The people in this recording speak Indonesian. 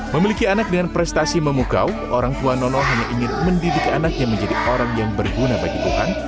memiliki anak dengan prestasi memukau orang tua nono hanya ingin mendidik anaknya menjadi orang yang berguna bagi tuhan